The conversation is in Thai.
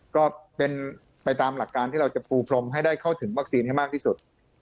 ก็เป็นไปตามหลักการที่เราจะปูพรมให้ได้เข้าถึงวัคซีนให้มากที่สุด